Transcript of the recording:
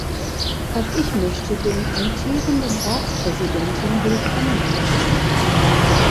Auch ich möchte den amtierenden Ratspräsidenten willkommen heißen.